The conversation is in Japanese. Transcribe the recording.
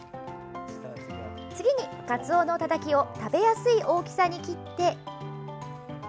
次に、かつおのたたきを食べやすい大きさに切って。